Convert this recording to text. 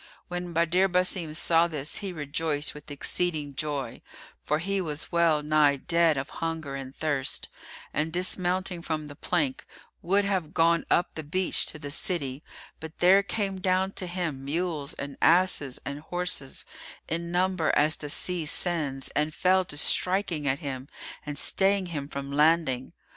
When Badr Basim saw this, he rejoiced with exceeding joy, for he was well nigh dead of hunger and thirst, and dismounting from the plank, would have gone up the beach to the city; but there came down to him mules and asses and horses, in number as the sea sands and fell to striking at him and staying him from landing.